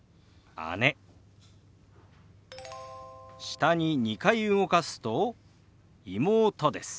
下に２回動かすと「妹」です。